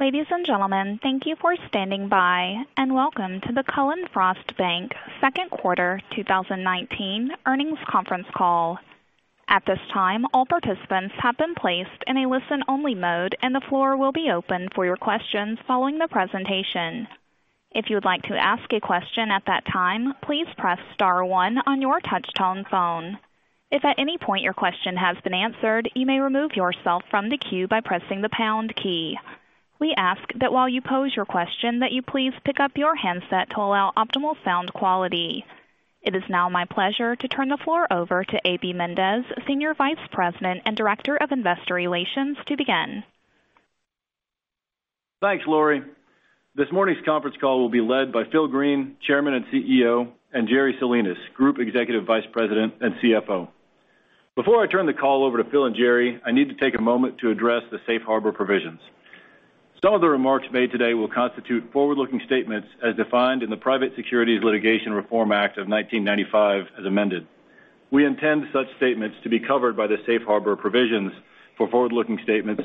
Ladies and gentlemen, thank you for standing by, and welcome to the Cullen/Frost Bankers second quarter 2019 earnings conference call. At this time, all participants have been placed in a listen-only mode, and the floor will be open for your questions following the presentation. If you would like to ask a question at that time, please press star one on your touch-tone phone. If at any point your question has been answered, you may remove yourself from the queue by pressing the pound key. We ask that while you pose your question, that you please pick up your handset to allow optimal sound quality. It is now my pleasure to turn the floor over to A.B. Mendez, Senior Vice President and Director of Investor Relations, to begin. Thanks, Laurie. This morning's conference call will be led by Phil Green, Chairman and CEO, and Jerry Salinas, Group Executive Vice President and CFO. Before I turn the call over to Phil and Jerry, I need to take a moment to address the safe harbor provisions. Some of the remarks made today will constitute forward-looking statements as defined in the Private Securities Litigation Reform Act of 1995, as amended. We intend such statements to be covered by the safe harbor provisions for forward-looking statements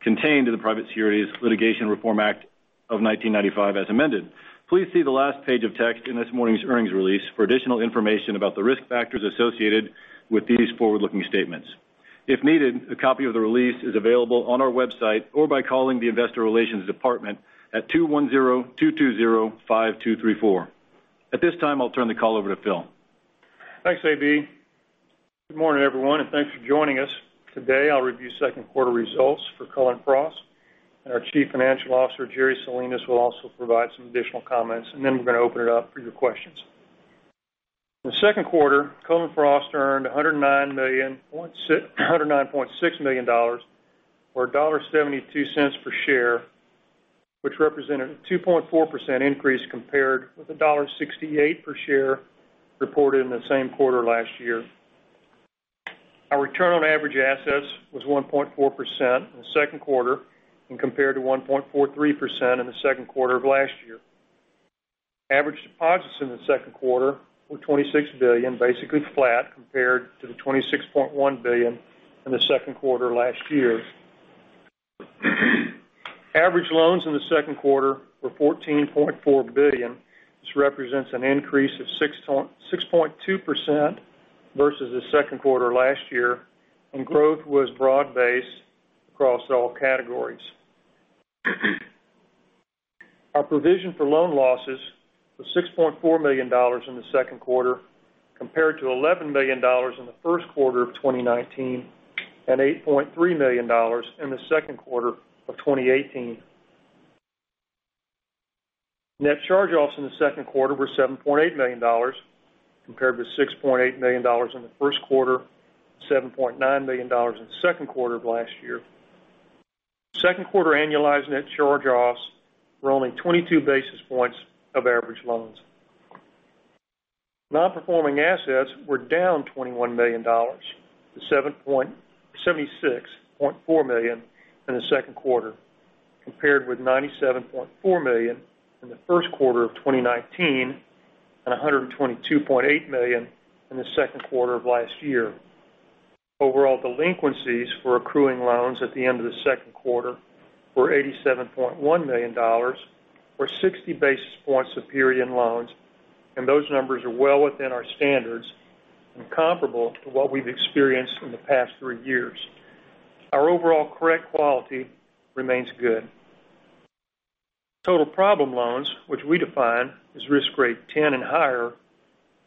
contained in the Private Securities Litigation Reform Act of 1995, as amended. Please see the last page of text in this morning's earnings release for additional information about the risk factors associated with these forward-looking statements. If needed, a copy of the release is available on our website or by calling the investor relations department at 210-220-5234. At this time, I'll turn the call over to Phil. Thanks, A.B. Mendez. Good morning, everyone, and thanks for joining us. Today, I'll review second quarter results for Cullen/Frost, and our Chief Financial Officer, Jerry Salinas, will also provide some additional comments, and then we're going to open it up for your questions. In the second quarter, Cullen/Frost earned $109.6 million, or $1.72 per share, which represented a 2.4% increase compared with $1.68 per share reported in the same quarter last year. Our return on average assets was 1.4% in the second quarter and compared to 1.43% in the second quarter of last year. Average deposits in the second quarter were $26 billion, basically flat compared to the $26.1 billion in the second quarter last year. Average loans in the second quarter were $14.4 billion. This represents an increase of 6.2% versus the second quarter last year. Growth was broad-based across all categories. Our provision for loan losses was $6.4 million in the second quarter compared to $11 million in the first quarter of 2019 and $8.3 million in the second quarter of 2018. Net charge-offs in the second quarter were $7.8 million compared with $6.8 million in the first quarter, $7.9 million in the second quarter of last year. Second quarter annualizing net charge-offs were only 22 basis points of average loans. Non-performing assets were down $21 million to $76.4 million in the second quarter compared with $97.4 million in the first quarter of 2019 and $122.8 million in the second quarter of last year. Overall delinquencies for accruing loans at the end of the second quarter were $87.1 million or 60 basis points of period loans. Those numbers are well within our standards and comparable to what we've experienced in the past three years. Our overall credit quality remains good. Total problem loans, which we define as risk grade 10 and higher,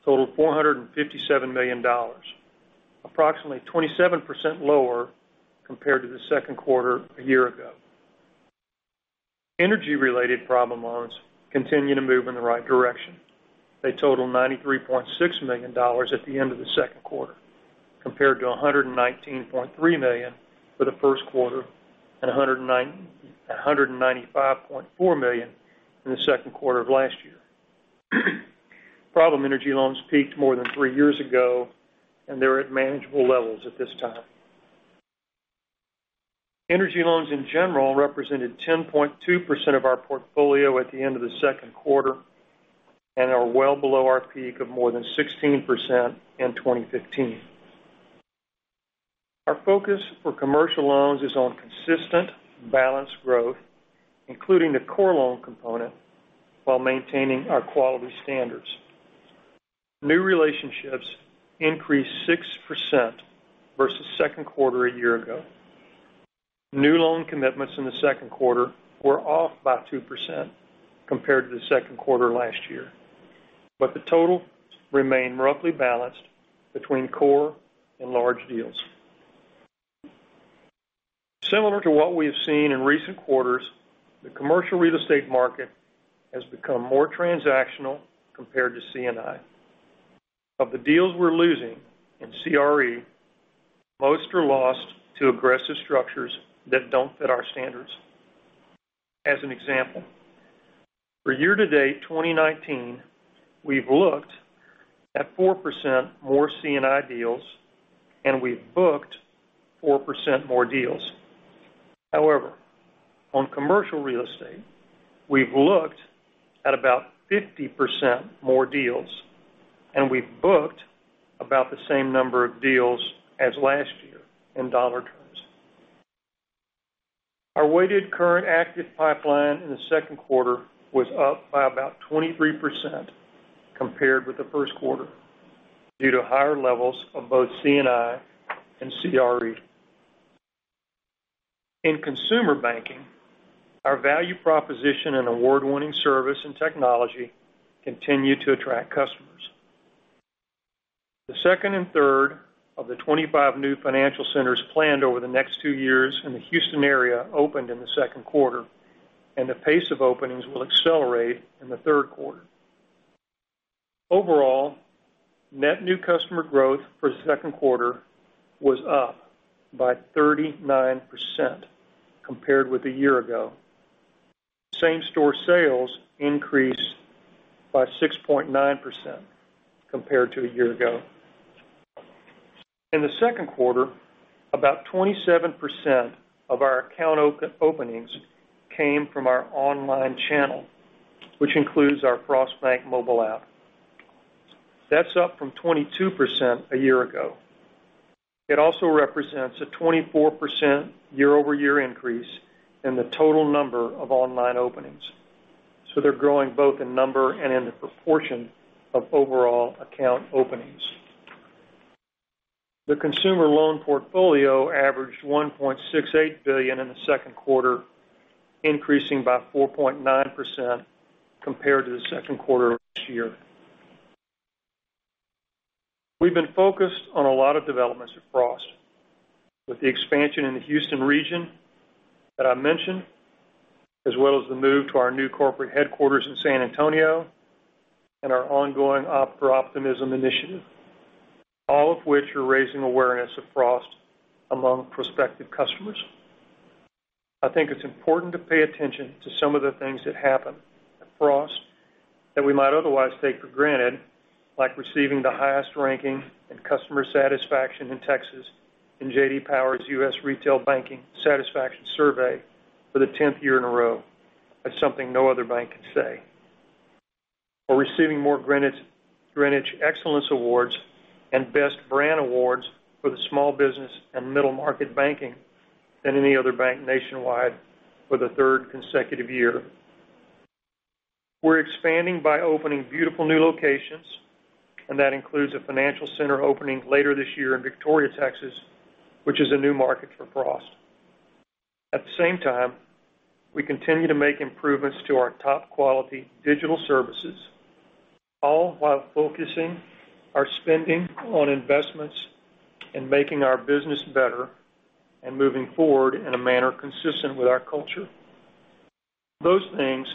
total $457 million, approximately 27% lower compared to the second quarter a year ago. Energy-related problem loans continue to move in the right direction. They total $93.6 million at the end of the second quarter compared to $119.3 million for the first quarter and $195.4 million in the second quarter of last year. Problem energy loans peaked more than three years ago. They're at manageable levels at this time. Energy loans in general represented 10.2% of our portfolio at the end of the second quarter and are well below our peak of more than 16% in 2015. Our focus for commercial loans is on consistent, balanced growth, including the core loan component, while maintaining our quality standards. New relationships increased 6% versus second quarter a year ago. New loan commitments in the second quarter were off by 2% compared to the second quarter last year, but the total remained roughly balanced between core and large deals. Similar to what we have seen in recent quarters, the commercial real estate market has become more transactional compared to C&I. Of the deals we're losing in CRE, most are lost to aggressive structures that don't fit our standards. As an example, for year-to-date 2019, we've looked at 4% more C&I deals, and we've booked 4% more deals. However, on commercial real estate, we've looked at about 50% more deals. We booked about the same number of deals as last year in $ terms. Our weighted current active pipeline in the second quarter was up by about 23% compared with the first quarter due to higher levels of both C&I and CRE. In consumer banking, our value proposition and award-winning service and technology continue to attract customers. The second and third of the 25 new financial centers planned over the next two years in the Houston area opened in the second quarter. The pace of openings will accelerate in the third quarter. Overall, net new customer growth for the second quarter was up by 39% compared with a year ago. Same-store sales increased by 6.9% compared to a year ago. In the second quarter, about 27% of our account openings came from our online channel, which includes our Frost Bank mobile app. That's up from 22% a year ago. It also represents a 24% year-over-year increase in the total number of online openings, so they're growing both in number and in the proportion of overall account openings. The consumer loan portfolio averaged $1.68 billion in the second quarter, increasing by 4.9% compared to the second quarter of last year. We've been focused on a lot of developments at Frost with the expansion in the Houston region that I mentioned, as well as the move to our new corporate headquarters in San Antonio and our ongoing Opt for Optimism initiative, all of which are raising awareness of Frost among prospective customers. I think it's important to pay attention to some of the things that happen at Frost that we might otherwise take for granted, like receiving the highest ranking in customer satisfaction in Texas in J.D. Power's U.S. Retail Banking Satisfaction Study for the 10th year in a row. That's something no other bank can say. Receiving more Greenwich Excellence Awards and Best Brand Awards for the small business and middle-market banking than any other bank nationwide for the third consecutive year. We're expanding by opening beautiful new locations, and that includes a financial center opening later this year in Victoria, Texas, which is a new market for Frost. At the same time, we continue to make improvements to our top-quality digital services, all while focusing our spending on investments and making our business better and moving forward in a manner consistent with our culture. Those things,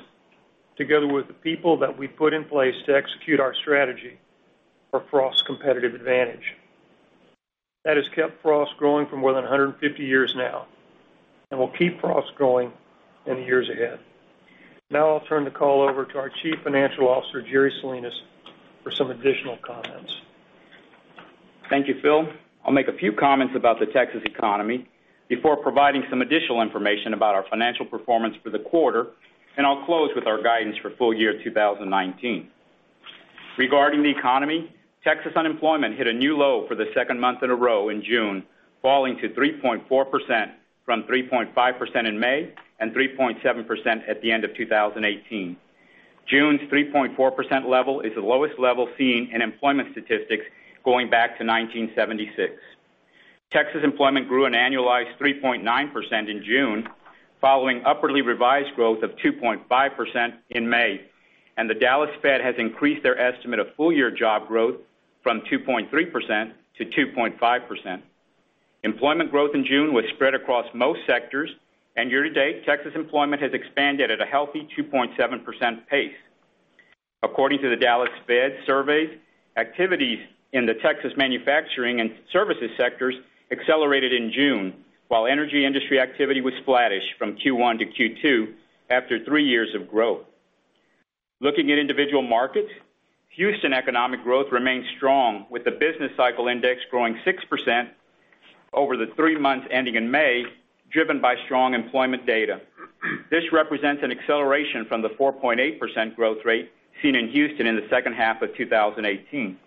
together with the people that we put in place to execute our strategy, are Frost's competitive advantage. That has kept Frost growing for more than 150 years now and will keep Frost growing in the years ahead. Now I'll turn the call over to our Chief Financial Officer, Jerry Salinas, for some additional comments. Thank you, Phil. I'll make a few comments about the Texas economy before providing some additional information about our financial performance for the quarter, and I'll close with our guidance for full year 2019. Regarding the economy, Texas unemployment hit a new low for the second month in a row in June, falling to 3.4% from 3.5% in May and 3.7% at the end of 2018. June's 3.4% level is the lowest level seen in employment statistics going back to 1976. Texas employment grew an annualized 3.9% in June, following upwardly revised growth of 2.5% in May. The Dallas Fed has increased their estimate of full-year job growth from 2.3% to 2.5%. Employment growth in June was spread across most sectors, and year to date, Texas employment has expanded at a healthy 2.7% pace. According to the Dallas Fed surveys, activities in the Texas manufacturing and services sectors accelerated in June, while energy industry activity was flattish from Q1 to Q2 after three years of growth. Looking at individual markets, Houston economic growth remains strong, with the business cycle index growing 6% over the three months ending in May, driven by strong employment data. This represents an acceleration from the 4.8% growth rate seen in Houston in the second half of 2018.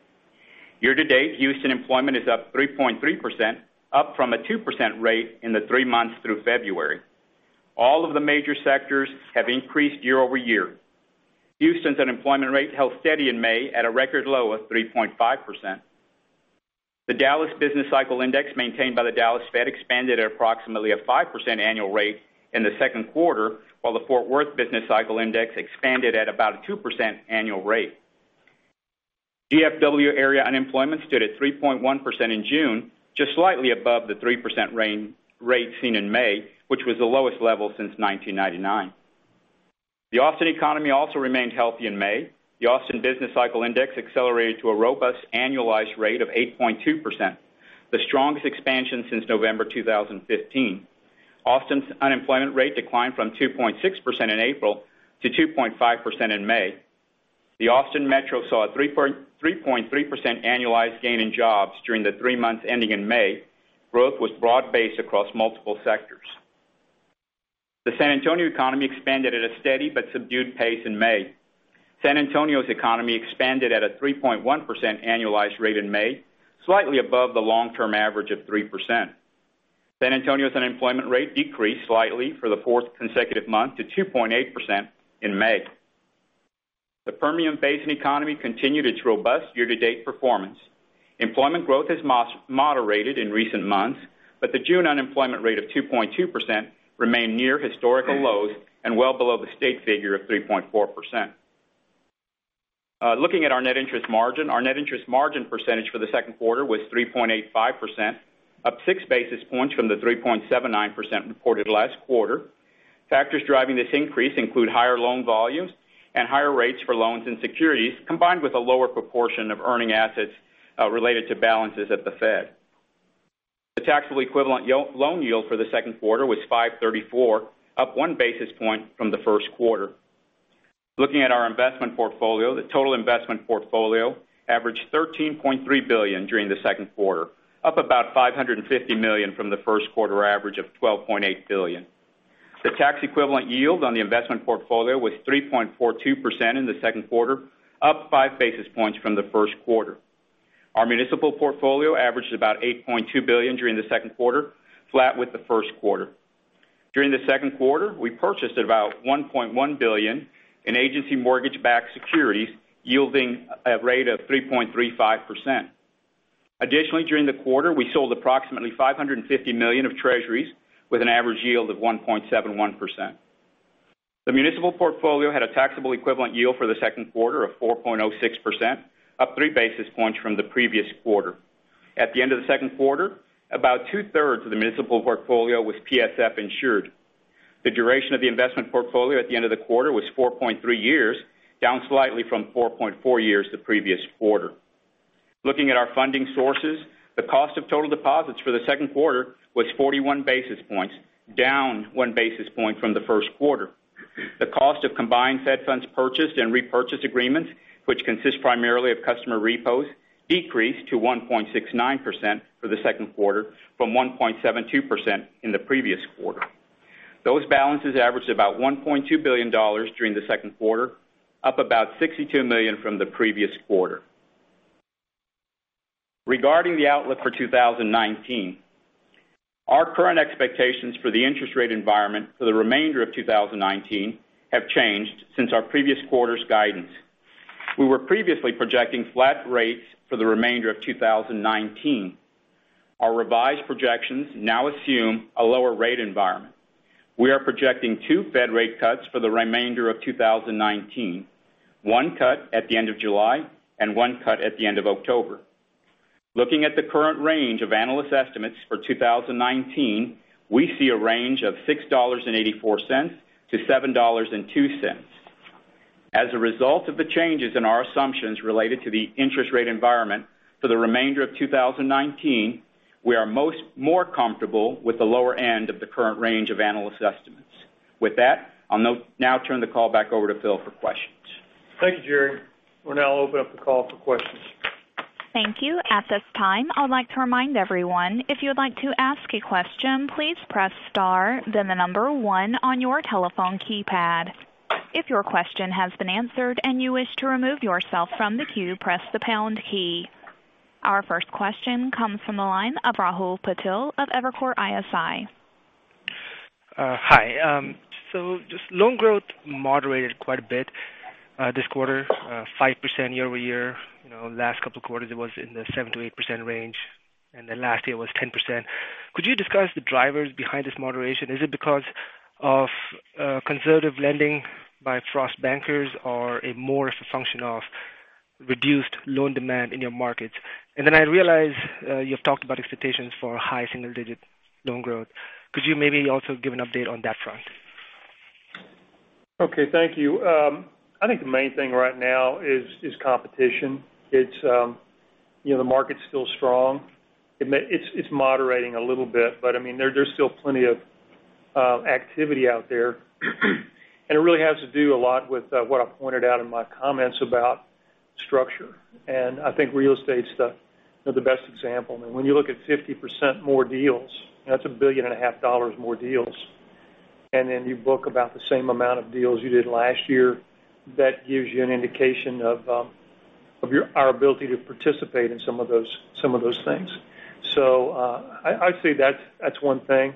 Year to date, Houston employment is up 3.3%, up from a 2% rate in the three months through February. All of the major sectors have increased year over year. Houston's unemployment rate held steady in May at a record low of 3.5%. The Dallas Business Cycle Index maintained by the Dallas Fed expanded at approximately a 5% annual rate in the second quarter, while the Fort Worth Business Cycle Index expanded at about a 2% annual rate. DFW area unemployment stood at 3.1% in June, just slightly above the 3% rate seen in May, which was the lowest level since 1999. The Austin economy also remained healthy in May. The Austin Business Cycle Index accelerated to a robust annualized rate of 8.2%, the strongest expansion since November 2015. Austin's unemployment rate declined from 2.6% in April to 2.5% in May. The Austin metro saw a 3.3% annualized gain in jobs during the three months ending in May. Growth was broad-based across multiple sectors. The San Antonio economy expanded at a steady but subdued pace in May. San Antonio's economy expanded at a 3.1% annualized rate in May, slightly above the long-term average of 3%. San Antonio's unemployment rate decreased slightly for the fourth consecutive month to 2.8% in May. The Permian Basin economy continued its robust year-to-date performance. The June unemployment rate of 2.2% remained near historical lows and well below the state figure of 3.4%. Looking at our net interest margin, our net interest margin percentage for the second quarter was 3.85%, up six basis points from the 3.79% reported last quarter. Factors driving this increase include higher loan volumes and higher rates for loans and securities, combined with a lower proportion of earning assets related to balances at the Fed. The taxable equivalent loan yield for the second quarter was 534, up one basis point from the first quarter. Looking at our investment portfolio, the total investment portfolio averaged $13.3 billion during the second quarter, up about $550 million from the first quarter average of $12.8 billion. The tax equivalent yield on the investment portfolio was 3.42% in the second quarter, up five basis points from the first quarter. Our municipal portfolio averaged about $8.2 billion during the second quarter, flat with the first quarter. During the second quarter, we purchased about $1.1 billion in agency mortgage-backed securities, yielding a rate of 3.35%. Additionally, during the quarter, we sold approximately $550 million of treasuries with an average yield of 1.71%. The municipal portfolio had a taxable equivalent yield for the second quarter of 4.06%, up three basis points from the previous quarter. At the end of the second quarter, about two-thirds of the municipal portfolio was PSF insured. The duration of the investment portfolio at the end of the quarter was 4.3 years, down slightly from 4.4 years the previous quarter. Looking at our funding sources, the cost of total deposits for the second quarter was 41 basis points, down one basis point from the first quarter. The cost of combined Fed funds purchased and repurchase agreements, which consist primarily of customer repos, decreased to 1.69% for the second quarter from 1.72% in the previous quarter. Those balances averaged about $1.2 billion during the second quarter, up about $62 million from the previous quarter. Regarding the outlook for 2019, our current expectations for the interest rate environment for the remainder of 2019 have changed since our previous quarter's guidance. We were previously projecting flat rates for the remainder of 2019. Our revised projections now assume a lower rate environment. We are projecting two Fed rate cuts for the remainder of 2019, one cut at the end of July and one cut at the end of October. Looking at the current range of analyst estimates for 2019, we see a range of $6.84 to $7.02. As a result of the changes in our assumptions related to the interest rate environment for the remainder of 2019, we are more comfortable with the lower end of the current range of analyst estimates. With that, I'll now turn the call back over to Phil for questions. Thank you, Jerry. We'll now open up the call for questions. Thank you. At this time, I would like to remind everyone, if you would like to ask a question, please press star then the number one on your telephone keypad. If your question has been answered and you wish to remove yourself from the queue, press the pound key. Our first question comes from the line of Rahul Patil of Evercore ISI. Hi. Just loan growth moderated quite a bit this quarter, 5% year over year. Last couple of quarters, it was in the 7%-8% range. Last year was 10%. Could you discuss the drivers behind this moderation? Is it because of conservative lending by Frost Bankers or a more function of reduced loan demand in your markets? I realize you've talked about expectations for high single-digit loan growth. Could you maybe also give an update on that front? Okay. Thank you. I think the main thing right now is competition. The market's still strong. It's moderating a little bit. There's still plenty of activity out there, and it really has to do a lot with what I pointed out in my comments about structure. I think real estate is the best example. When you look at 50% more deals, that's a billion and a half dollars more deals. You book about the same amount of deals you did last year. That gives you an indication of our ability to participate in some of those things. I'd say that's one thing.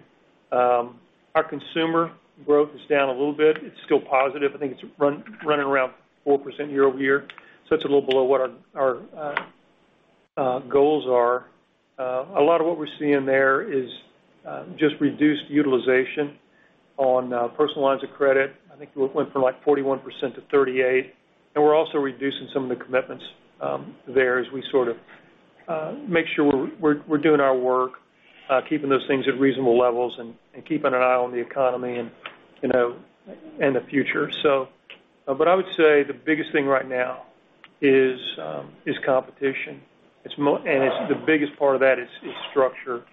Our consumer growth is down a little bit. It's still positive. I think it's running around 4% year-over-year. It's a little below what our goals are. A lot of what we're seeing there is just reduced utilization on personal lines of credit. I think it went from like 41% to 38%. We're also reducing some of the commitments there as we sort of make sure we're doing our work, keeping those things at reasonable levels, and keeping an eye on the economy and the future. I would say the biggest thing right now is competition. The biggest part of that is structure.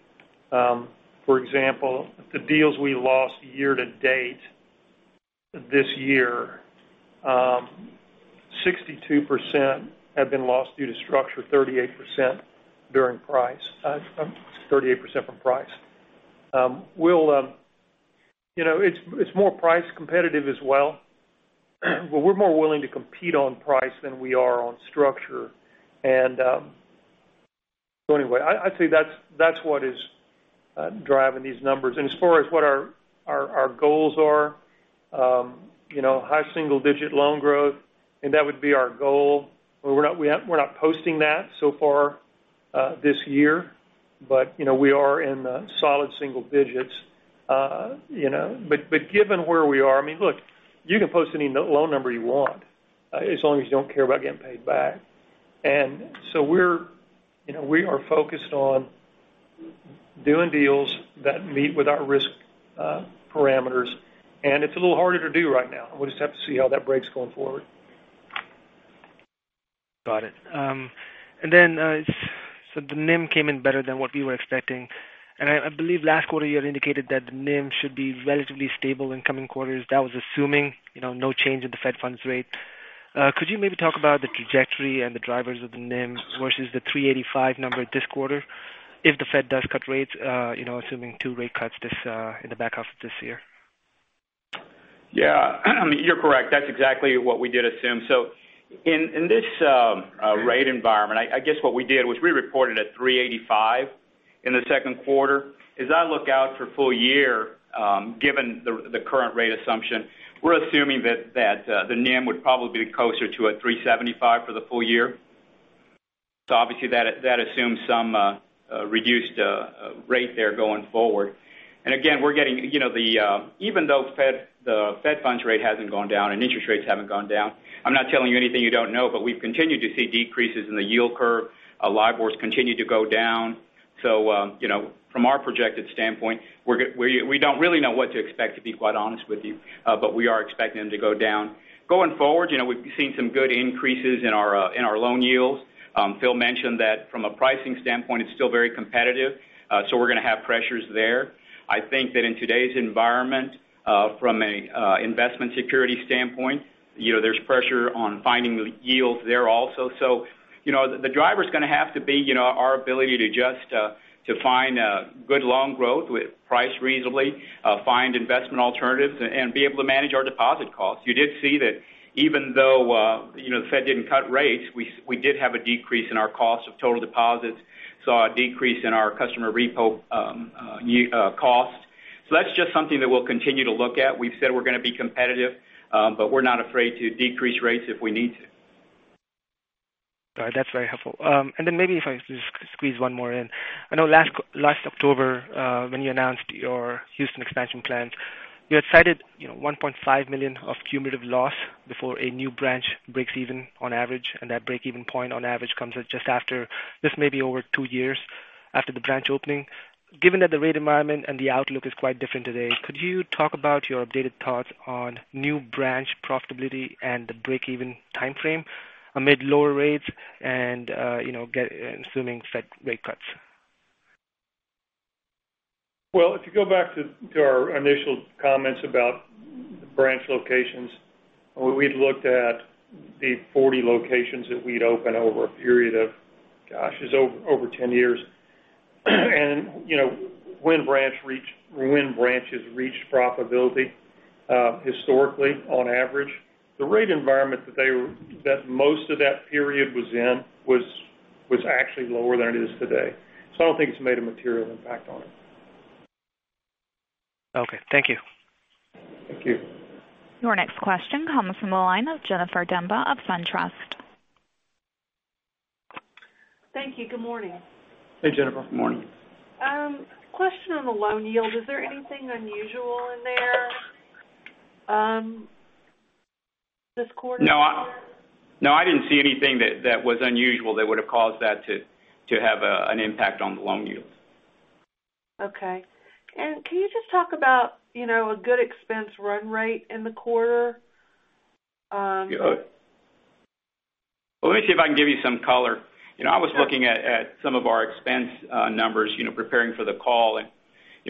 For example, the deals we lost year to date this year, 22% have been lost due to structure, 38% from price. It's more price competitive as well, but we're more willing to compete on price than we are on structure. Anyway, I'd say that's what is driving these numbers. As far as what our goals are, high single-digit loan growth, and that would be our goal. We're not posting that so far this year, but we are in the solid single digits. Given where we are, look, you can post any loan number you want, as long as you don't care about getting paid back. We are focused on doing deals that meet with our risk parameters, and it's a little harder to do right now. We'll just have to see how that breaks going forward. Got it. The NIM came in better than what we were expecting. I believe last quarter you had indicated that the NIM should be relatively stable in coming quarters. That was assuming no change in the Fed funds rate. Could you maybe talk about the trajectory and the drivers of the NIMs versus the 385 number this quarter if the Fed does cut rates, assuming two rate cuts in the back half of this year? Yeah. You're correct. That's exactly what we did assume. In this rate environment, I guess what we did was we reported a 3.85% in the second quarter. As I look out for full year, given the current rate assumption, we're assuming that the NIM would probably be closer to a 3.75% for the full year. Obviously that assumes some reduced rate there going forward. Again, even though the Fed funds rate hasn't gone down and interest rates haven't gone down, I'm not telling you anything you don't know, but we've continued to see decreases in the yield curve. LIBORs continue to go down. From our projected standpoint, we don't really know what to expect, to be quite honest with you. We are expecting them to go down. Going forward, we've seen some good increases in our loan yields. Phil mentioned that from a pricing standpoint, it's still very competitive. We're going to have pressures there. I think that in today's environment, from a investment security standpoint, there's pressure on finding the yields there also. The driver's going to have to be our ability to adjust to find good loan growth with price reasonably, find investment alternatives, and be able to manage our deposit costs. You did see that even though the Fed didn't cut rates, we did have a decrease in our cost of total deposits. We saw a decrease in our customer repo cost. That's just something that we'll continue to look at. We've said we're going to be competitive, but we're not afraid to decrease rates if we need to. All right. That's very helpful. Maybe if I just squeeze one more in. I know last October, when you announced your Houston expansion plans, you had cited $1.5 million of cumulative loss before a new branch breaks even on average, and that break-even point on average comes at just after, this may be over two years after the branch opening. Given that the rate environment and the outlook is quite different today, could you talk about your updated thoughts on new branch profitability and the break-even timeframe amid lower rates and assuming Fed rate cuts? Well, if you go back to our initial comments about branch locations, where we'd looked at the 40 locations that we'd open over a period of, gosh, it was over 10 years. When branches reached profitability, historically, on average, the rate environment that most of that period was in was actually lower than it is today. I don't think it's made a material impact on it. Okay. Thank you. Thank you. Your next question comes from the line of Jennifer Demba of SunTrust. Thank you. Good morning. Hey, Jennifer. Good morning. Question on the loan yield. Is there anything unusual in there this quarter? No. I didn't see anything that was unusual that would've caused that to have an impact on the loan yields. Okay. Can you just talk about a good expense run rate in the quarter? Let me see if I can give you some color. I was looking at some of our expense numbers preparing for the call, and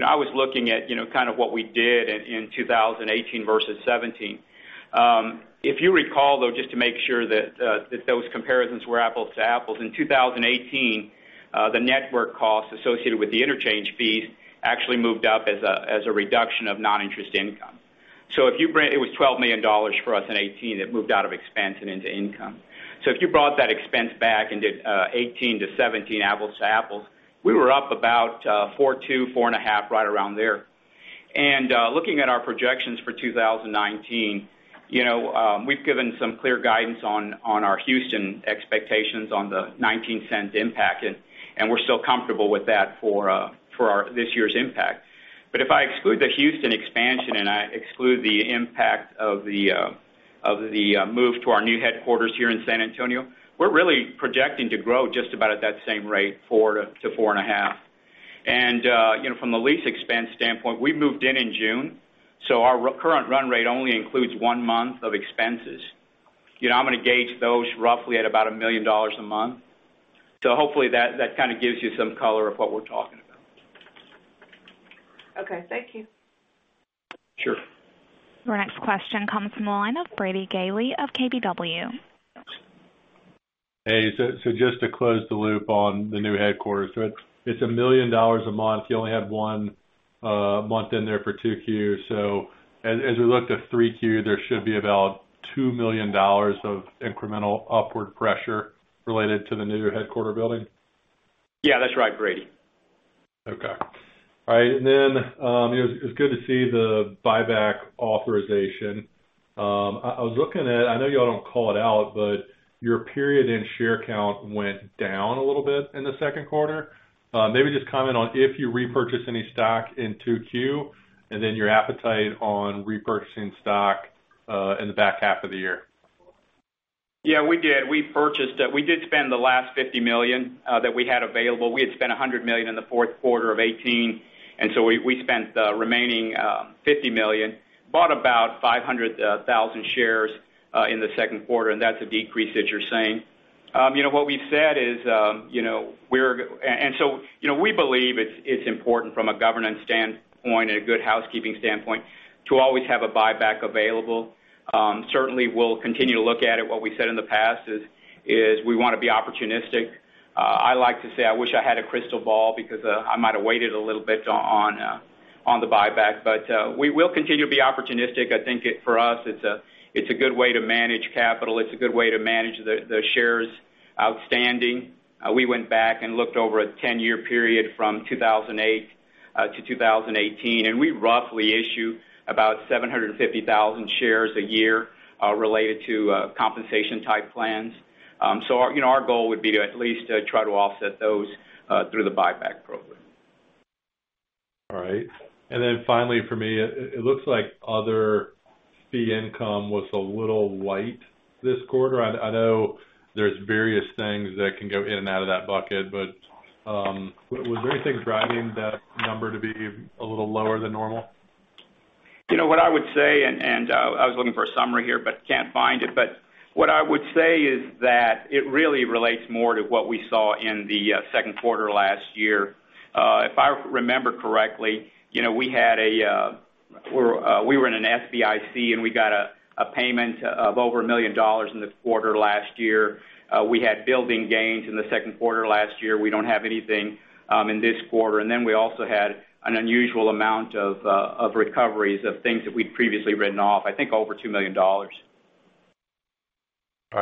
I was looking at kind of what we did in 2018 versus 2017. If you recall, though, just to make sure that those comparisons were apples to apples, in 2018, the network costs associated with the interchange fees actually moved up as a reduction of non-interest income. It was $12 million for us in 2018 that moved out of expense and into income. If you brought that expense back and did 2018 to 2017 apples to apples, we were up about 4.2%, 4.5%, right around there. Looking at our projections for 2019, we've given some clear guidance on our Houston expectations on the $0.19 impact, and we're still comfortable with that for this year's impact. If I exclude the Houston expansion and I exclude the impact of the move to our new headquarters here in San Antonio, we're really projecting to grow just about at that same rate, 4%-4.5%. From the lease expense standpoint, we moved in in June, so our current run rate only includes one month of expenses. I'm going to gauge those roughly at about $1 million a month. Hopefully that kind of gives you some color of what we're talking about. Okay. Thank you. Sure. Your next question comes from the line of Brady Gailey of KBW. Hey. Just to close the loop on the new headquarters. It's $1 million a month. You only had one month in there for 2Q. As we look to 3Q, there should be about $2 million of incremental upward pressure related to the new headquarter building? Yeah, that's right, Brady. Okay. All right, it was good to see the buyback authorization. I was looking at I know y'all don't call it out, your period-end share count went down a little bit in the second quarter. Maybe just comment on if you repurchased any stock in 2Q, your appetite on repurchasing stock in the back half of the year. Yeah, we did. We purchased it. We did spend the last $50 million that we had available. We had spent $100 million in the fourth quarter of 2018, and so we spent the remaining $50 million. Bought about 500,000 shares in the second quarter, and that's a decrease that you're seeing. What we've said is, we believe it's important from a governance standpoint and a good housekeeping standpoint to always have a buyback available. Certainly, we'll continue to look at it. What we said in the past is we want to be opportunistic. I like to say I wish I had a crystal ball because I might've waited a little bit on the buyback. We will continue to be opportunistic. I think for us, it's a good way to manage capital. It's a good way to manage the shares outstanding. We went back and looked over a 10-year period from 2008 to 2018, we roughly issue about 750,000 shares a year, related to compensation type plans. Our goal would be to at least try to offset those through the buyback program. All right. Finally for me, it looks like other fee income was a little light this quarter. I know there's various things that can go in and out of that bucket, but was there anything driving that number to be a little lower than normal? What I would say, and I was looking for a summary here but can't find it. What I would say is that it really relates more to what we saw in the second quarter last year. If I remember correctly, we were in an SBIC, and we got a payment of over $1 million in the quarter last year. We had building gains in the second quarter last year. We don't have anything in this quarter. Then we also had an unusual amount of recoveries of things that we'd previously written off, I think over $2 million. All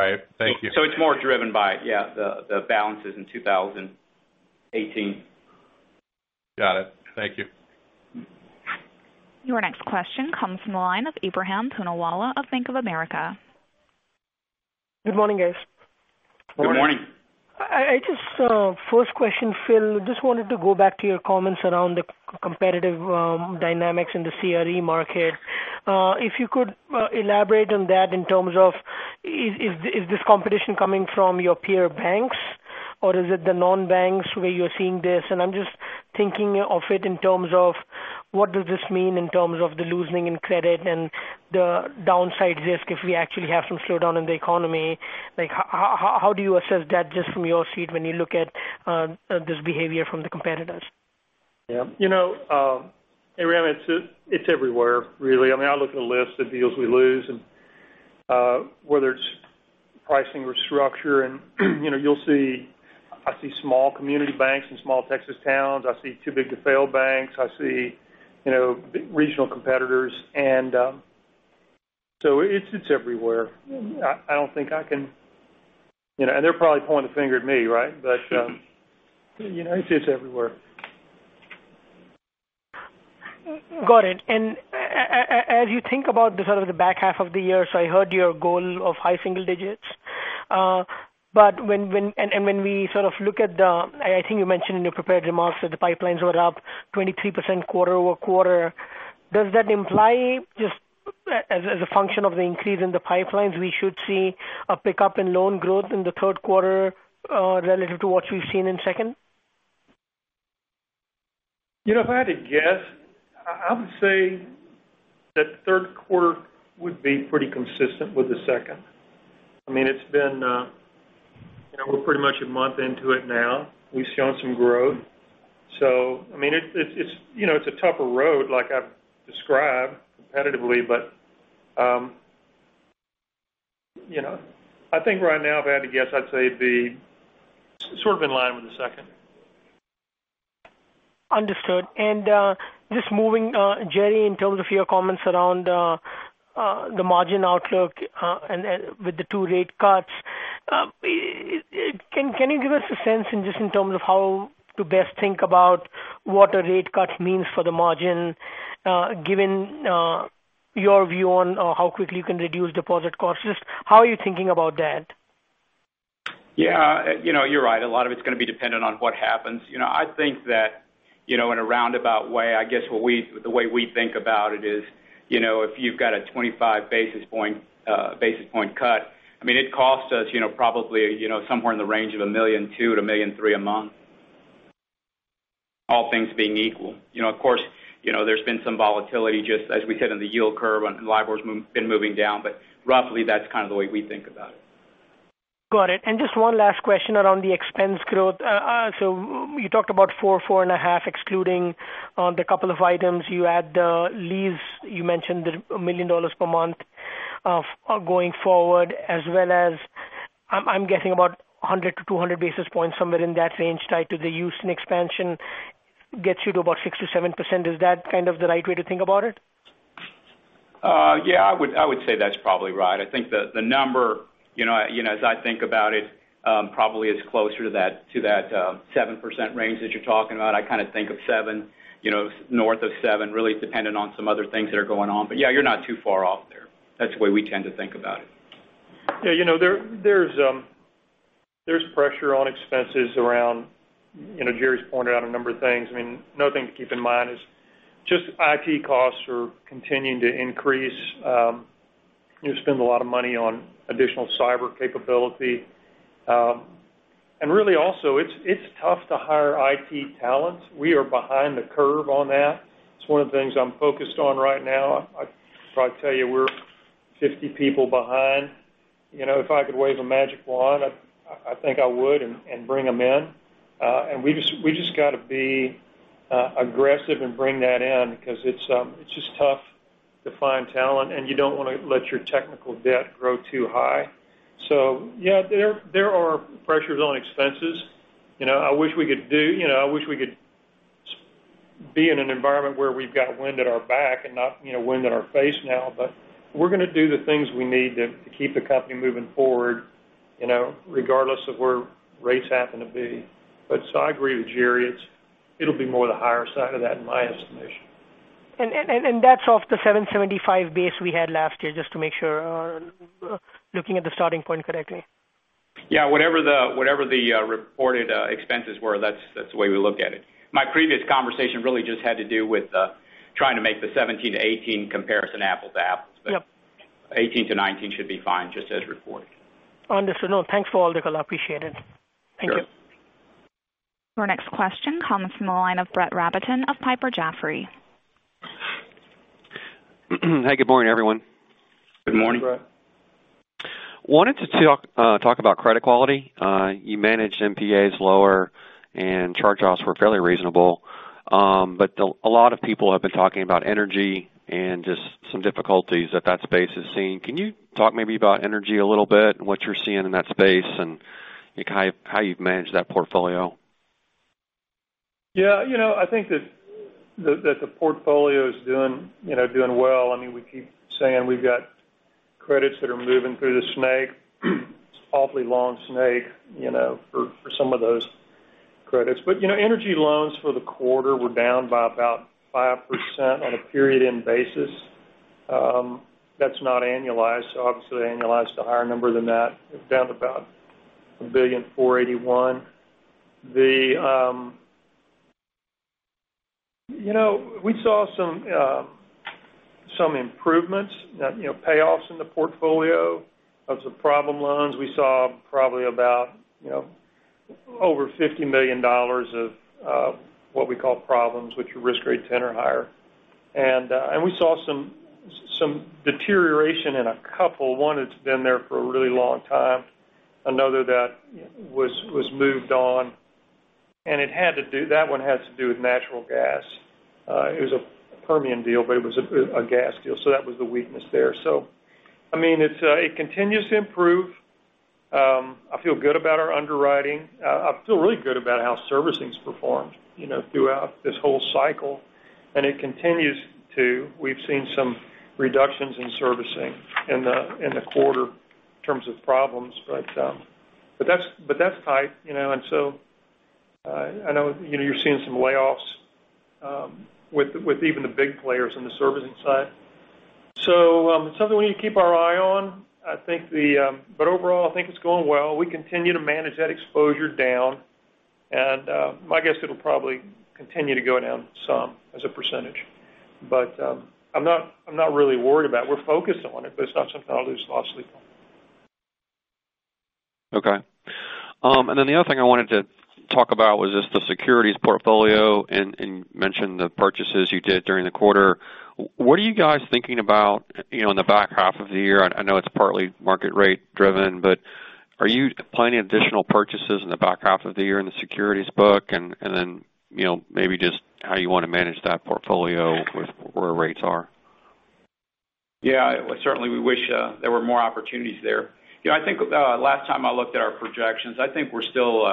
right. Thank you. It's more driven by, yeah, the balances in 2018. Got it. Thank you. Your next question comes from the line of Ebrahim Poonawala of Bank of America. Good morning, guys. Good morning. First question, Phil, just wanted to go back to your comments around the competitive dynamics in the CRE market. If you could elaborate on that in terms of, is this competition coming from your peer banks, or is it the non-banks where you're seeing this? I'm just thinking of it in terms of what does this mean in terms of the loosening in credit and the downside risk if we actually have some slowdown in the economy. How do you assess that just from your seat when you look at this behavior from the competitors? Yeah. Ebrahim, it's everywhere, really. I look at a list of deals we lose, whether it's pricing restructure. I see small community banks in small Texas towns. I see too-big-to-fail banks. I see regional competitors. It's everywhere. They're probably pointing a finger at me, right? It's everywhere. Got it. As you think about the back half of the year, I heard your goal of high single digits. When we look at, I think you mentioned in your prepared remarks that the pipelines were up 23% quarter-over-quarter. Does that imply just as a function of the increase in the pipelines, we should see a pickup in loan growth in the third quarter, relative to what we've seen in second? If I had to guess, I would say that third quarter would be pretty consistent with the second. We're pretty much a month into it now. We've shown some growth. It's a tougher road, like I've described competitively, but I think right now, if I had to guess, I'd say it'd be sort of in line with the second. Understood. Just moving, Jerry, in terms of your comments around the margin outlook and with the two rate cuts, can you give us a sense in terms of how to best think about what a rate cut means for the margin, given your view on how quickly you can reduce deposit costs? Just how are you thinking about that? Yeah. You're right. A lot of it's going to be dependent on what happens. I think that in a roundabout way, I guess the way we think about it is, if you've got a 25 basis point cut, it costs us probably somewhere in the range of $1.2 million-$1.3 million a month. All things being equal. Of course, there's been some volatility, just as we said, in the yield curve and LIBOR's been moving down. Roughly, that's kind of the way we think about it. Got it. Just one last question around the expense growth. You talked about 4%, 4.5% excluding the couple of items. You add the lease, you mentioned the $1 million per month of going forward as well as, I'm guessing about 100 to 200 basis points, somewhere in that range, tied to the Houston expansion gets you to about 6%-7%. Is that kind of the right way to think about it? Yeah, I would say that's probably right. I think the number, as I think about it, probably is closer to that 7% range that you're talking about. I kind of think of 7%, north of 7%, really dependent on some other things that are going on. Yeah, you're not too far off there. That's the way we tend to think about it. Yeah, there's pressure on expenses around, Jerry's pointed out a number of things. Another thing to keep in mind is just IT costs are continuing to increase. You spend a lot of money on additional cyber capability. Really also, it's tough to hire IT talent. We are behind the curve on that. It's one of the things I'm focused on right now. I'd probably tell you we're 50 people behind. If I could wave a magic wand, I think I would and bring them in. We just got to be aggressive and bring that in because it's just tough to find talent, and you don't want to let your technical debt grow too high. Yeah, there are pressures on expenses. I wish we could be in an environment where we've got wind at our back and not wind at our face now, but we're going to do the things we need to keep the company moving forward regardless of where rates happen to be. I agree with Jerry, it'll be more the higher side of that, in my estimation. That's off the 775 base we had last year, just to make sure looking at the starting point correctly. Yeah, whatever the reported expenses were, that's the way we look at it. My previous conversation really just had to do with trying to make the 2017 to 2018 comparison apples to apples. Yep. 2018 to 2019 should be fine just as reported. Understood. No, thanks for all the color. I appreciate it. Sure. Thank you. Our next question comes from the line of Brett Rabatin of Piper Jaffray. Hey, good morning, everyone. Good morning. Good morning, Brett. wanted to talk about credit quality. You managed NPAs lower and charge-offs were fairly reasonable. A lot of people have been talking about energy and just some difficulties that that space is seeing. Can you talk maybe about energy a little bit and what you're seeing in that space and how you've managed that portfolio? Yeah. I think that the portfolio is doing well. We keep saying we've got credits that are moving through the snake. It's an awfully long snake for some of those credits. Energy loans for the quarter were down by about 5% on a period-end basis. That's not annualized, obviously annualized a higher number than that. Down about $1.481 billion. We saw some improvements, payoffs in the portfolio of some problem loans. We saw probably about over $50 million of what we call problems, which are risk grade 10 or higher. We saw some deterioration in a couple. One that's been there for a really long time, another that was moved on. That one had to do with natural gas. It was a Permian deal, it was a gas deal. That was the weakness there. It continues to improve. I feel good about our underwriting. I feel really good about how servicing's performed throughout this whole cycle, and it continues to. We've seen some reductions in servicing in the quarter in terms of problems, but that's tight. I know you're seeing some layoffs with even the big players in the servicing side. It's something we need to keep our eye on. Overall, I think it's going well. We continue to manage that exposure down. My guess it'll probably continue to go down some as a percentage. I'm not really worried about it. We're focused on it, but it's not something I lose a lot of sleep on. Okay. Then the other thing I wanted to talk about was just the securities portfolio and you mentioned the purchases you did during the quarter. What are you guys thinking about in the back half of the year? I know it's partly market rate driven, but are you planning additional purchases in the back half of the year in the securities book? Then maybe just how you want to manage that portfolio with where rates are. Yeah, certainly we wish there were more opportunities there. I think last time I looked at our projections, I think we're still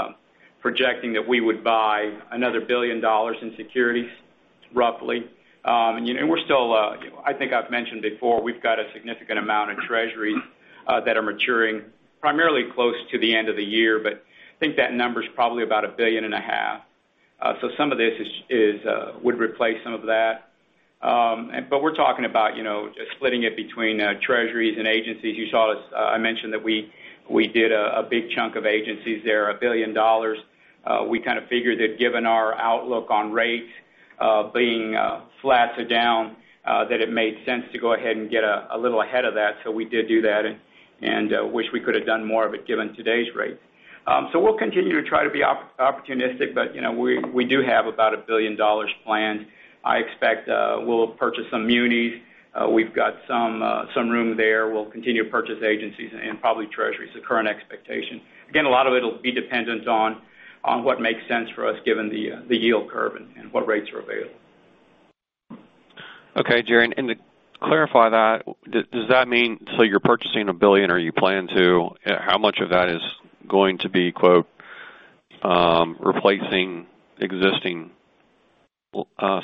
projecting that we would buy another $1 billion in securities, roughly. I think I've mentioned before, we've got a significant amount of treasuries that are maturing primarily close to the end of the year, but I think that number's probably about $1.5 billion. Some of this would replace some of that. We're talking about just splitting it between treasuries and agencies. You saw I mentioned that we did a big chunk of agencies there, $1 billion. We kind of figured that given our outlook on rates being flat to down, that it made sense to go ahead and get a little ahead of that. We did do that and wish we could have done more of it given today's rate. We'll continue to try to be opportunistic, but we do have about $1 billion planned. I expect we'll purchase some munis. We've got some room there. We'll continue to purchase agencies and probably treasuries, the current expectation. Again, a lot of it'll be dependent on what makes sense for us given the yield curve and what rates are available. Okay, Jerry. To clarify that, does that mean, you're purchasing $1 billion or you plan to, how much of that is going to be, quote, "Replacing existing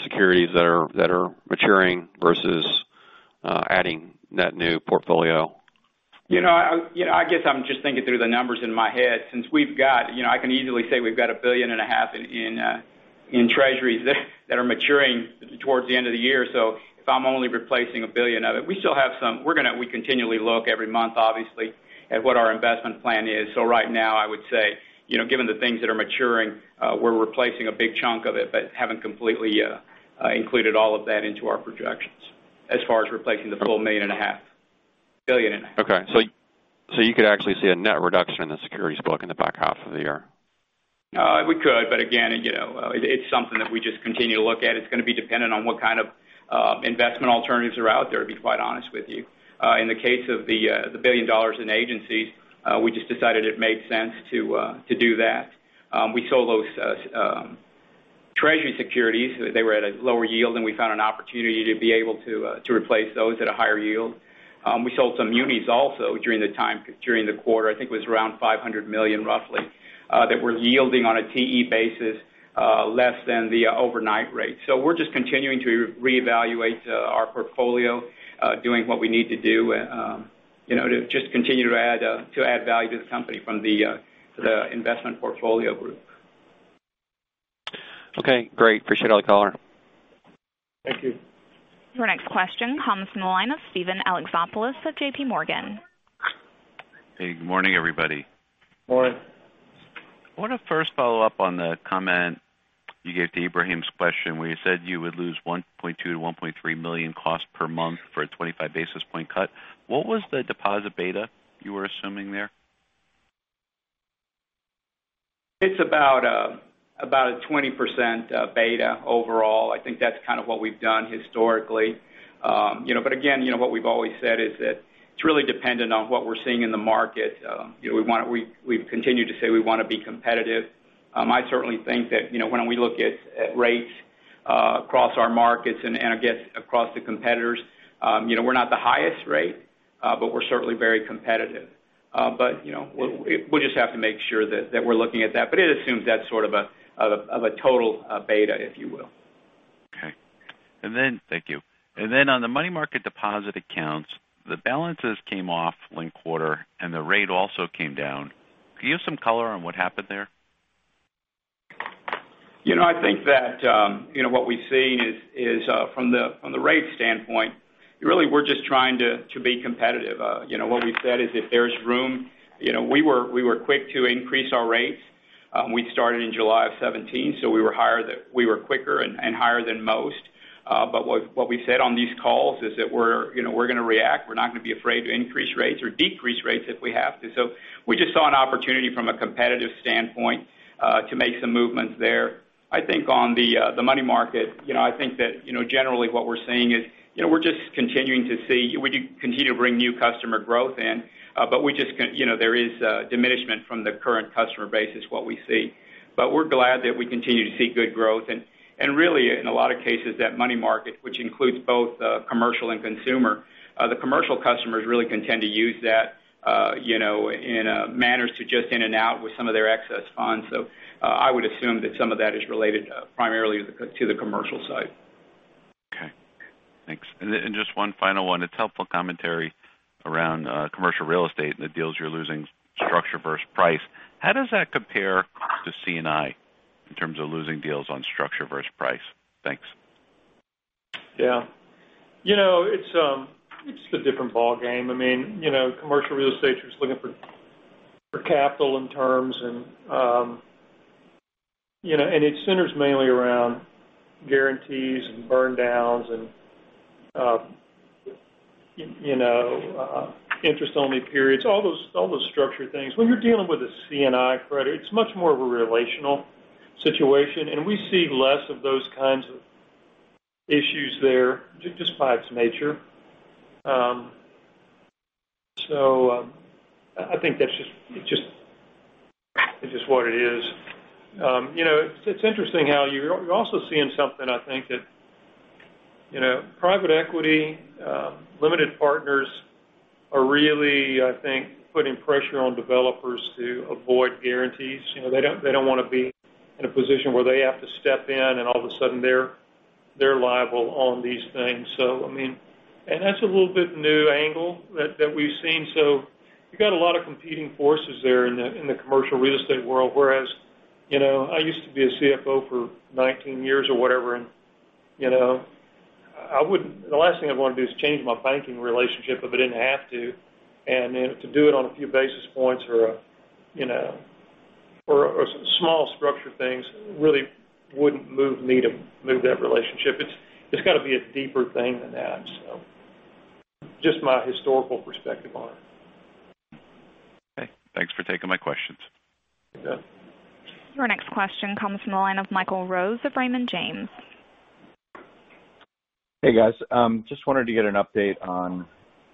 securities that are maturing versus adding net new portfolio? I guess I'm just thinking through the numbers in my head since we've got I can easily say we've got a billion and a half in treasuries that are maturing towards the end of the year. If I'm only replacing $1 billion of it, we continually look every month, obviously, at what our investment plan is. Right now, I would say, given the things that are maturing, we're replacing a big chunk of it, but haven't completely included all of that into our projections as far as replacing the full billion and a half. Okay. You could actually see a net reduction in the securities book in the back half of the year? We could, but again, it's something that we just continue to look at. It's going to be dependent on what kind of investment alternatives are out there, to be quite honest with you. In the case of the $1 billion in agencies, we just decided it made sense to do that. We sold those treasury securities. They were at a lower yield. We found an opportunity to be able to replace those at a higher yield. We sold some munis also during the quarter. I think it was around $500 million roughly, that were yielding on a TE basis, less than the overnight rate. We're just continuing to reevaluate our portfolio, doing what we need to do to just continue to add value to the company from the investment portfolio group. Okay, great. Appreciate all the color. Thank you. Your next question comes from the line of Steven Alexopoulos of JP Morgan. Hey, good morning, everybody. Morning. I want to first follow up on the comment you gave to Ebrahim's question, where you said you would lose $1.2 million-$1.3 million cost per month for a 25 basis point cut. What was the deposit beta you were assuming there? It's about a 20% beta overall. I think that's kind of what we've done historically. Again, what we've always said is that it's really dependent on what we're seeing in the market. We've continued to say we want to be competitive. I certainly think that when we look at rates across our markets and, again, across the competitors, we're not the highest rate, but we're certainly very competitive. We'll just have to make sure that we're looking at that. It assumes that sort of a total beta, if you will. Okay. Thank you. On the money market deposit accounts, the balances came off linked quarter, and the rate also came down. Could you give some color on what happened there? I think that what we've seen is from the rate standpoint, really, we're just trying to be competitive. What we've said is we were quick to increase our rates. We started in July of 2017, we were quicker and higher than most. What we've said on these calls is that we're going to react. We're not going to be afraid to increase rates or decrease rates if we have to. We just saw an opportunity from a competitive standpoint to make some movements there. I think on the money market, I think that generally what we're seeing is we continue to bring new customer growth in. There is a diminishment from the current customer base is what we see. We're glad that we continue to see good growth. Really, in a lot of cases, that money market, which includes both commercial and consumer, the commercial customers really can tend to use that in manners to just in and out with some of their excess funds. I would assume that some of that is related primarily to the commercial side. Okay. Thanks. Just one final one. It's helpful commentary around commercial real estate and the deals you're losing structure versus price. How does that compare to C&I in terms of losing deals on structure versus price? Thanks. Yeah. It's a different ballgame. Commercial real estate, you're just looking for capital and terms. It centers mainly around guarantees and burn downs and interest-only periods, all those structure things. When you're dealing with a C&I credit, it's much more of a relational situation. We see less of those kinds of issues there, just by its nature. I think that it's just what it is. It's interesting how you're also seeing something, I think that private equity limited partners are really, I think, putting pressure on developers to avoid guarantees. They don't want to be in a position where they have to step in. All of a sudden, they're liable on these things. That's a little bit new angle that we've seen. You've got a lot of competing forces there in the commercial real estate world, whereas I used to be a CFO for 19 years or whatever, and the last thing I'd want to do is change my banking relationship if I didn't have to, and then to do it on a few basis points or some small structure things really wouldn't move me to move that relationship. It's got to be a deeper thing than that. Just my historical perspective on it. Okay. Thanks for taking my questions. Yeah. Your next question comes from the line of Michael Rose of Raymond James. Hey, guys. Just wanted to get an update on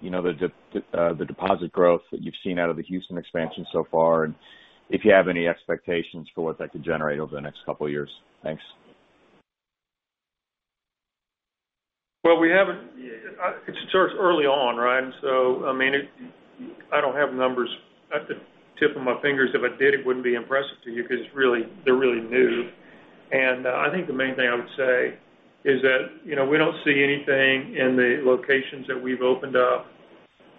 the deposit growth that you've seen out of the Houston expansion so far, and if you have any expectations for what that could generate over the next couple of years. Thanks. Well, it starts early on, right? I don't have numbers at the tip of my fingers. If I did, it wouldn't be impressive to you because they're really new. I think the main thing I would say is that we don't see anything in the locations that we've opened up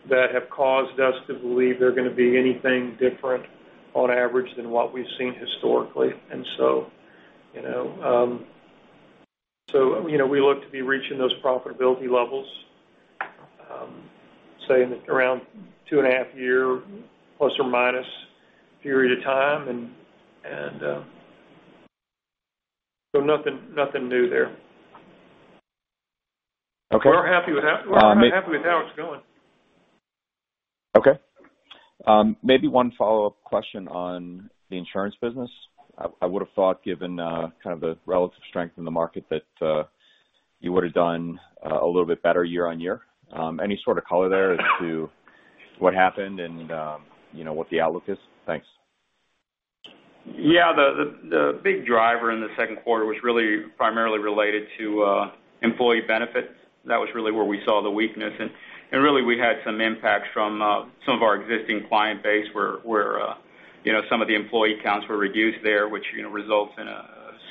that have caused us to believe they're going to be anything different on average than what we've seen historically. We look to be reaching those profitability levels, say, in around two and a half year ± period of time. Nothing new there. Okay. We're happy with how it's going. Okay. Maybe one follow-up question on the insurance business. I would've thought given kind of the relative strength in the market that you would've done a little bit better year-on-year. Any sort of color there as to what happened and what the outlook is? Thanks. Yeah. The big driver in the second quarter was really primarily related to employee benefits. That was really where we saw the weakness. Really, we had some impacts from some of our existing client base where some of the employee counts were reduced there, which results in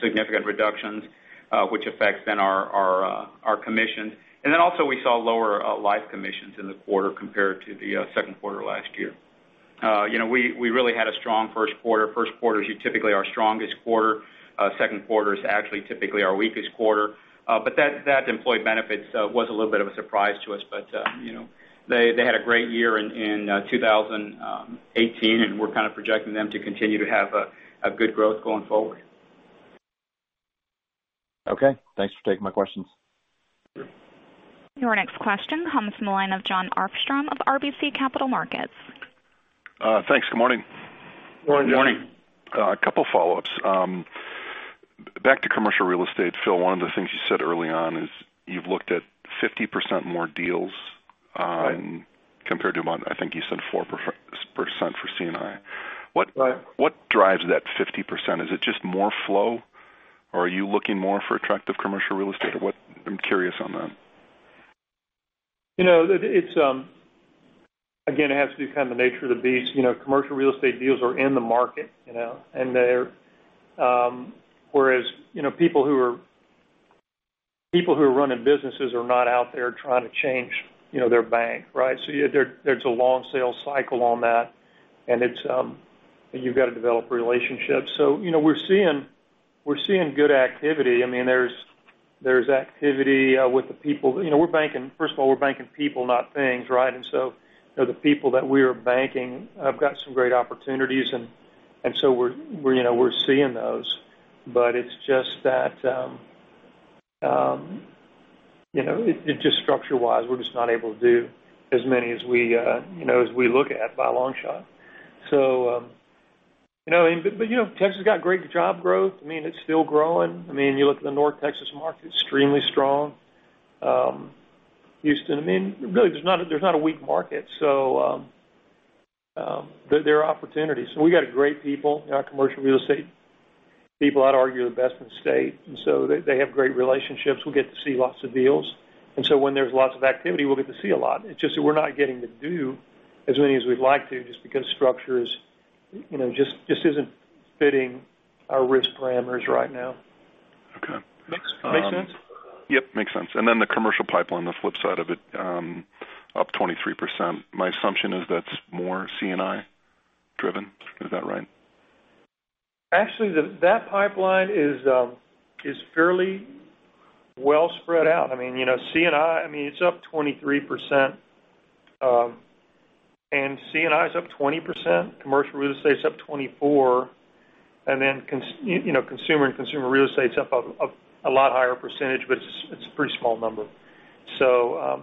significant reductions, which affects then our commissions. Also we saw lower life commissions in the quarter compared to the second quarter last year. We really had a strong first quarter. First quarter is typically our strongest quarter. Second quarter is actually typically our weakest quarter. That employee benefits was a little bit of a surprise to us. They had a great year in 2018, and we're kind of projecting them to continue to have a good growth going forward. Okay. Thanks for taking my questions. Sure. Your next question comes from the line of Jon Arfstrom of RBC Capital Markets. Thanks. Good morning. Morning. Morning. A couple follow-ups. Back to commercial real estate, Phil, one of the things you said early on is you've looked at 50% more deals compared to, I think you said 4% for C&I. Right. What drives that 50%? Is it just more flow, or are you looking more for attractive commercial real estate, or what? I'm curious on that. Again, it has to do kind of the nature of the beast. Commercial real estate deals are in the market, whereas people who are running businesses are not out there trying to change their bank, right? There's a long sales cycle on that, and you've got to develop relationships. We're seeing good activity. First of all, we're banking people, not things, right? The people that we are banking have got some great opportunities, and so we're seeing those. It's just structure-wise, we're just not able to do as many as we look at by a long shot. Texas has got great job growth. It's still growing. You look at the North Texas market, extremely strong. Houston, really, there's not a weak market. There are opportunities. We got great people in our commercial real estate. People, I'd argue, the best in the state. They have great relationships. We get to see lots of deals. When there's lots of activity, we'll get to see a lot. It's just that we're not getting to do as many as we'd like to just because structure just isn't fitting our risk parameters right now. Okay. Make sense? Yep, makes sense. The commercial pipeline, the flip side of it, up 23%. My assumption is that's more C&I driven. Is that right? Actually, that pipeline is fairly well spread out. C&I, it's up 23%, and C&I is up 20%, commercial real estate's up 24%, and then consumer and consumer real estate's up a lot higher %, but it's a pretty small number. I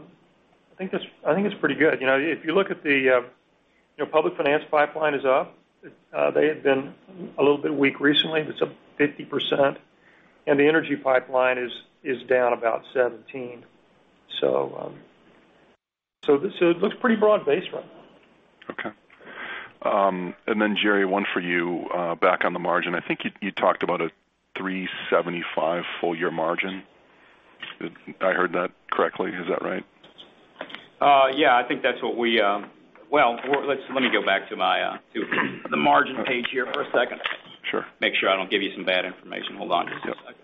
think it's pretty good. If you look at the public finance pipeline is up. They had been a little bit weak recently. It's up 50%. The energy pipeline is down about 17%. It looks pretty broad-based right now. Okay. Jerry, one for you back on the margin. I think you talked about a 3.75% full year margin. Did I heard that correctly? Is that right? Yeah, I think that's. Well, let me go back to the margin page here for a second. Sure. Make sure I don't give you some bad information. Hold on just a second.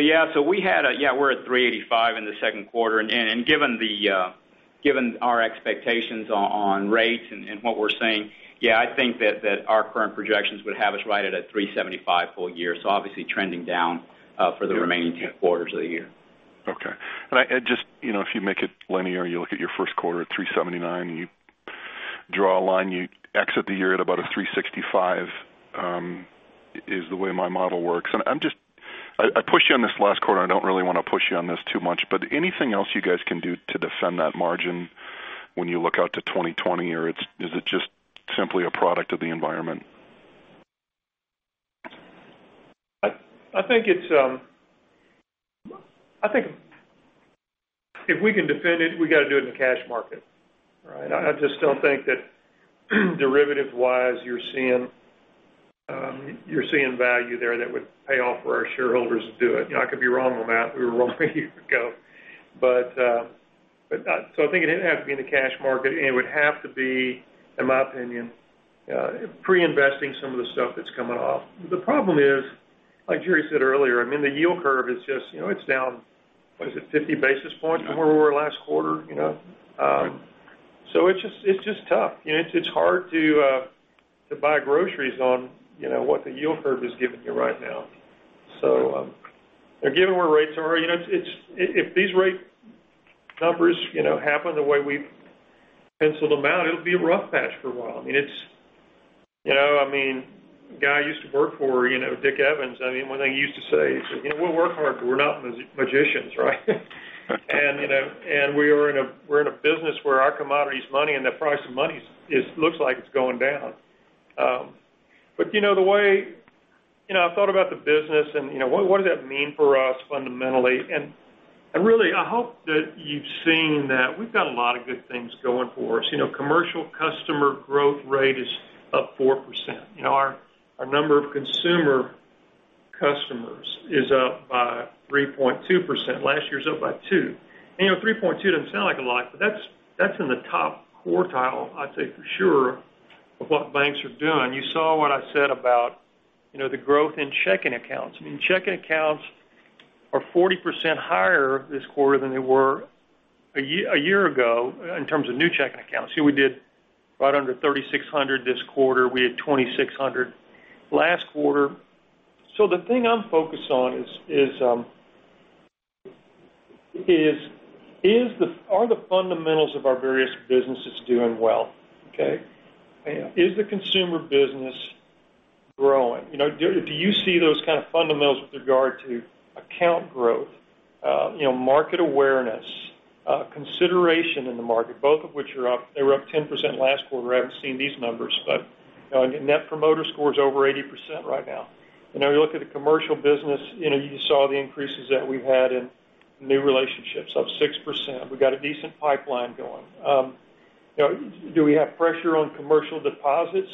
Yep. Yeah, we're at 385 in the second quarter, and given our expectations on rates and what we're seeing, yeah, I think that our current projections would have us right at a 375 full year. Obviously trending down for the remaining two quarters of the year. Okay. If you make it linear, you look at your 1st quarter at 379, draw a line, you exit the year at about a 365, is the way my model works. I pushed you on this last quarter, I don't really want to push you on this too much, anything else you guys can do to defend that margin when you look out to 2020, or is it just simply a product of the environment? I think if we can defend it, we got to do it in the cash market. Right? I just don't think that derivative-wise, you're seeing value there that would pay off for our shareholders to do it. I could be wrong on that. We were wrong a year ago. I think it'd have to be in the cash market, and it would have to be, in my opinion, pre-investing some of the stuff that's coming off. The problem is, like Jerry said earlier, the yield curve is down, what is it, 50 basis points from where we were last quarter. Right. It's just tough. It's hard to buy groceries on what the yield curve is giving you right now. Again, where rates are, if these rate numbers happen the way we've penciled them out, it'll be a rough patch for a while. A guy I used to work for, Dick Evans, one thing he used to say, "We work hard, but we're not magicians," right? Right. We are in a business where our commodity's money and the price of money looks like it's going down. The way I thought about the business and what does that mean for us fundamentally, and really, I hope that you've seen that we've got a lot of good things going for us. Commercial customer growth rate is up 4%. Our number of consumer customers is up by 3.2%. Last year it was up by two. 3.2 doesn't sound like a lot, but that's in the top quartile, I'd say for sure, of what banks are doing. You saw what I said about the growth in checking accounts. Checking accounts are 40% higher this quarter than they were a year ago, in terms of new checking accounts. We did right under 3,600 this quarter. We had 2,600 last quarter. The thing I'm focused on is, are the fundamentals of our various businesses doing well? Okay? Yeah. Is the consumer business growing? Do you see those kind of fundamentals with regard to account growth, market awareness, consideration in the market, both of which are up. They were up 10% last quarter. I haven't seen these numbers. Net promoter score is over 80% right now. You look at the commercial business, you saw the increases that we've had in new relationships, up 6%. We've got a decent pipeline going. Do we have pressure on commercial deposits?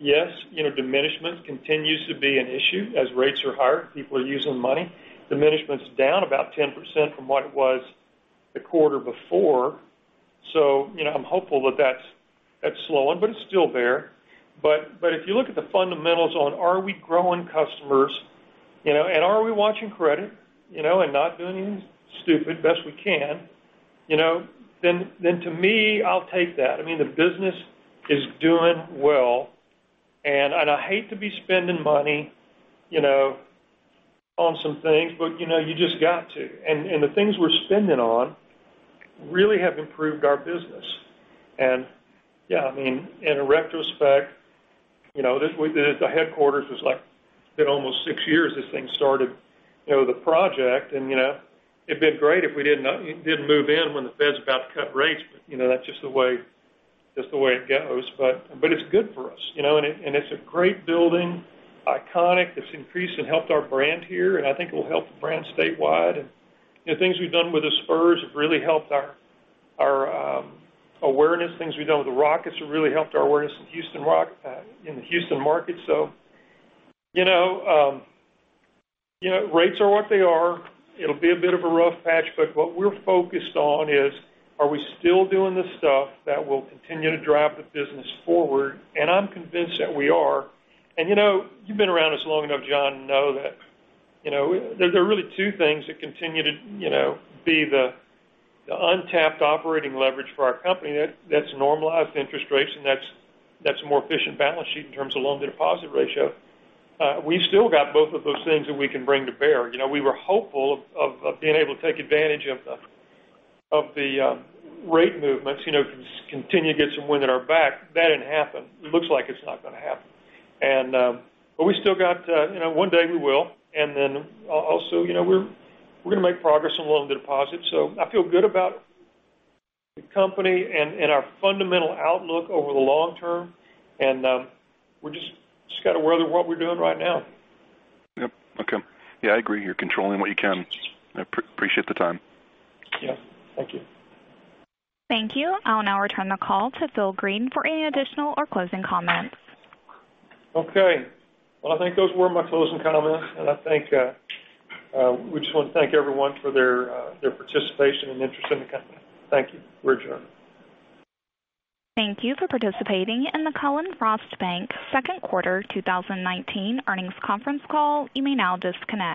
Yes. Diminishment continues to be an issue as rates are higher. People are using money. Diminishment's down about 10% from what it was the quarter before, so I'm hopeful that that's slowing, but it's still there. If you look at the fundamentals on are we growing customers, and are we watching credit, and not doing anything stupid, best we can, then to me, I'll take that. The business is doing well. I hate to be spending money on some things, you just got to. The things we're spending on really have improved our business. Yeah, in retrospect, the headquarters has been almost six years this thing started, the project. It'd been great if we didn't move in when the Fed's about to cut rates, but that's just the way it goes. It's good for us. It's a great building, iconic. It's increased and helped our brand here, and I think it will help the brand statewide. The things we've done with the Spurs have really helped our awareness. Things we've done with the Rockets have really helped our awareness in the Houston market. Rates are what they are. It'll be a bit of a rough patch, but what we're focused on is, are we still doing the stuff that will continue to drive the business forward? I'm convinced that we are. You've been around us long enough, Jon, to know that there are really two things that continue to be the untapped operating leverage for our company. That's normalized interest rates, and that's a more efficient balance sheet in terms of loan-to-deposit ratio. We still got both of those things that we can bring to bear. We were hopeful of being able to take advantage of the rate movements, continue to get some wind at our back. That didn't happen. It looks like it's not going to happen. One day we will. Also, we're going to make progress on loan-to-deposit. I feel good about the company and our fundamental outlook over the long term, and we just got to weather what we're doing right now. Yep. Okay. Yeah, I agree. You're controlling what you can. I appreciate the time. Yeah. Thank you. Thank you. I'll now return the call to Phil Green for any additional or closing comments. Okay. Well, I think those were my closing comments. We just want to thank everyone for their participation and interest in the company. Thank you. We're adjourned. Thank you for participating in the Cullen/Frost Bank second quarter 2019 earnings conference call. You may now disconnect.